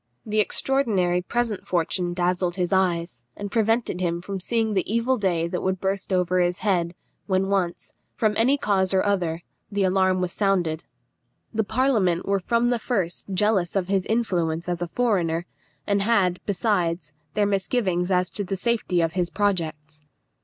The extraordinary present fortune dazzled his eyes, and prevented him from seeing the evil day that would burst over his head, when once, from any cause or other, the alarm was sounded. The parliament were from the first jealous of his influence as a foreigner, and had, besides, their misgivings as to the safety of his projects.